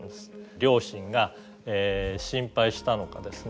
両親が心配したのかですね